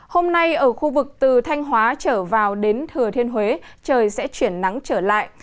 hôm nay ở khu vực từ thanh hóa trở vào đến thừa thiên huế trời sẽ chuyển nắng trở lại